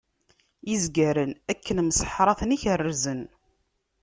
Izgaren akken mseḥṛaten i kerrzen.